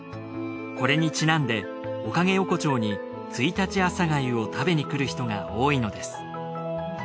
これにちなんでおかげ横丁に朔日朝粥を食べに来る人が多いのです